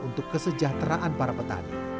untuk kesejahteraan para petani